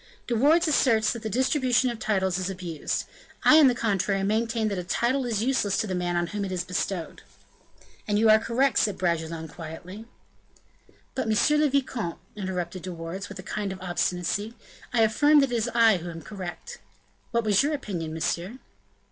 "De Wardes asserts that the distribution of titles is abused; I, on the contrary, maintain that a title is useless to the man on whom it is bestowed." "And you are correct," said Bragelonne, quietly. "But, monsieur le vicomte," interrupted De Wardes, with a kind of obstinacy, "I affirm that it is I who am correct." "What was your opinion, monsieur?"